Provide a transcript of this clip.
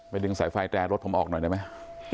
ดึงสายไฟแตรรถผมออกหน่อยได้ไหม